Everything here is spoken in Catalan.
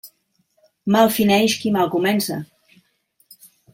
Mal fineix qui mal comença.